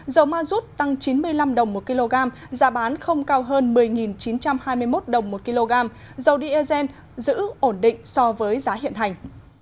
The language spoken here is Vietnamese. dầu ma rút tăng chín mươi năm đồng một kg giá bán không cao hơn một mươi chín trăm hai mươi một đồng một kg dầu diesel giữ ổn định so với giá hiện hành